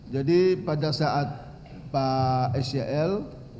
jadi pada saat pak s y l